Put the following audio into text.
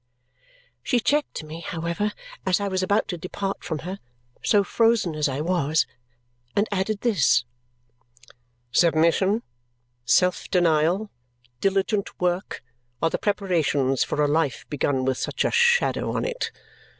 She checked me, however, as I was about to depart from her so frozen as I was! and added this, "Submission, self denial, diligent work, are the preparations for a life begun with such a shadow on it.